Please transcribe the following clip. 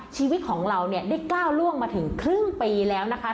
ชีวิตของเราเนี่ยได้ก้าวล่วงมาถึงครึ่งปีแล้วนะคะ